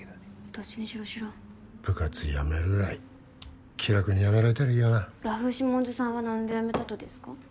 どっちにしろ知らん部活やめるぐらい気楽にやめられたらいいよなラフ・シモンズさんは何でやめたとですか？